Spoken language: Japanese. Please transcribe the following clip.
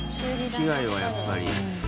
被害はやっぱり。